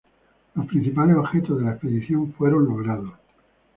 Los principales objetivos de la expedición fueron logrados.